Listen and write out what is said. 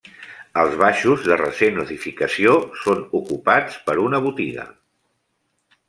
Els baixos, de recent edificació, són ocupats per una botiga.